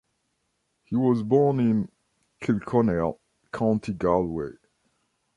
He was born in Kilconnell, County Galway.